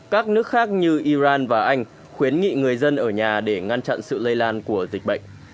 các nước khác như iran và anh khuyến nghị người dân ở nhà để ngăn chặn sự lây lan của dịch bệnh